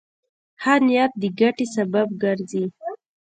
ښه نیت د ګټې سبب ګرځي.